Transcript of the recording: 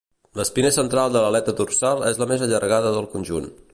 L'espina central de l'aleta dorsal és la més allargada del conjunt.